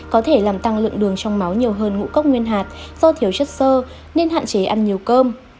có thể làm tăng lượng đường trong máu nhiều hơn ngũ cốc nguyên hạt do thiếu chất sơ nên hạn chế ăn nhiều cơm